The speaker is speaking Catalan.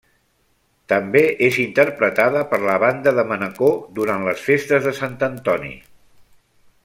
També és interpretada per la Banda de Manacor durant les festes de Sant Antoni.